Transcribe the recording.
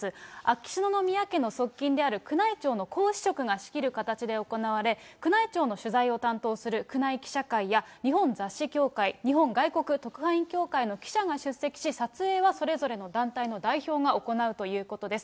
秋篠宮家の側近である宮内庁の皇嗣職が仕切る形で行われ、宮内庁の取材を担当する宮内記者会や日本雑誌協会、日本外国特派員協会の記者が出席し、撮影はそれぞれの団体の代表が行うということです。